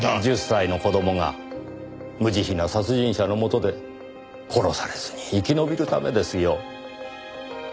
１０歳の子供が無慈悲な殺人者の元で殺されずに生き延びるためですよ。